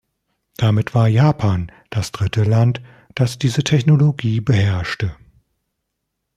Damit war Japan das dritte Land, das diese Technologie beherrschte.